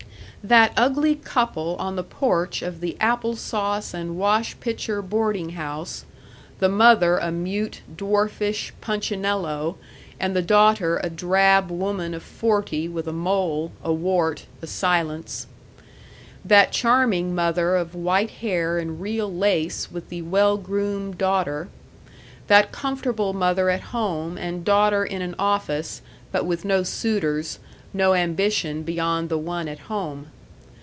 That ugly couple on the porch of the apple sauce and wash pitcher boarding house the mother a mute, dwarfish punchinello, and the daughter a drab woman of forty with a mole, a wart, a silence. That charming mother of white hair and real lace with the well groomed daughter. That comfortable mother at home and daughter in an office, but with no suitors, no ambition beyond the one at home.